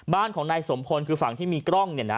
บ้านของในสมพลคือฝั่งที่มีกล้อง